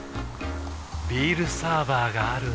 ビールサーバーがある夏。